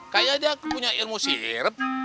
kayaknya dia punya ilmu sirup